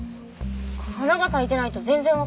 花が咲いてないと全然わかりませんね。